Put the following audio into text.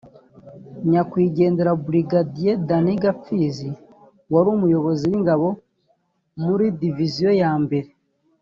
nyakwigendera Brigadier Dan Gapfizi wari umuyobozi w’ Ingabo muri divisiyo ya mbere